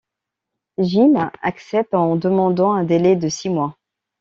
Gilles accepte en demandant un délai de six mois.